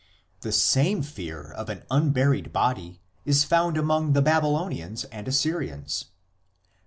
The same fear of an unburied body is found among the Babylonians and Assyrians.